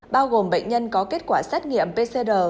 bao gồm bệnh nhân có kết quả xét nghiệm pcr